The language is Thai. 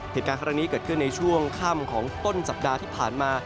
เหตุการณ์ครั้งนี้เกิดขึ้นในช่วงค่ำของต้นสัปดาห์ที่ผ่านมา